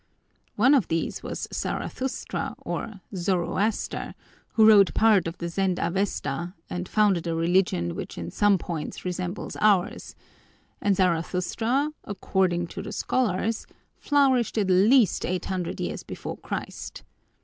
One of these was Zarathustra, or Zoroaster, who wrote part of the Zend Avesta and founded a religion which in some points resembles ours, and Zarathustra, according to the scholars, flourished at least eight hundred years before Christ.